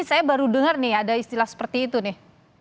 saya baru dengar nih ada istilah seperti itu nih